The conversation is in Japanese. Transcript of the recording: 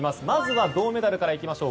まずは銅メダルから。